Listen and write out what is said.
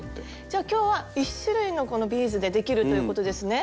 じゃあ今日は１種類のこのビーズでできるということですね。